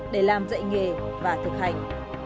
để làm dạy nghề và thực hành